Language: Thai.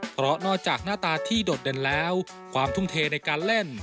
เพราะนอกจากหน้าตาที่โดดเด่นแล้วความทุ่มเทในการเล่น